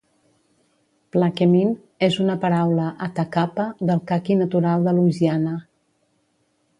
"Plaquemine" és una paraula Atakapa del caqui natural de Louisiana.